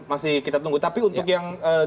masih kita tunggu tapi untuk yang